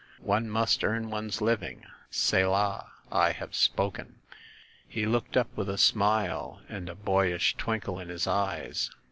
One must earn one's living. Selah! I have spoken!" He looked up with a smile and a boyish twinkle in his eyes.